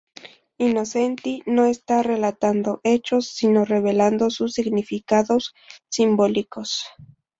Innocenti no está relatando hechos, sino revelando sus significados simbólicos.